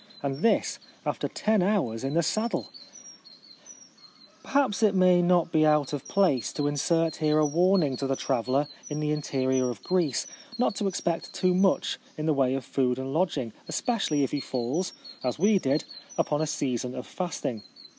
And this after ten hours in the saddle ! Perhaps it may not be out of place to insert here a warning to the traveller in the interior of Greece not to expect too much in the way of food and lodging, espe cially if he falls, as we did, upon a season of fasting.